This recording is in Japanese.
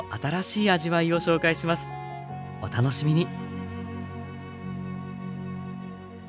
お楽しみに。